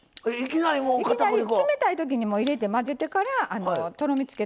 冷たい時にもう入れて混ぜてからとろみつけたほうがね